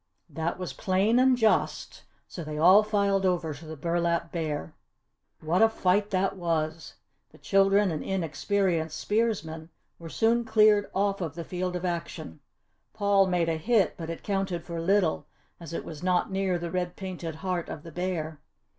That was plain and just so they all filed over to the burlap bear. What a fight that was! The children and inexperienced spearsmen were soon cleared off of the field of action. Paul made a hit but it counted for little as it was not near the red painted heart of the bear.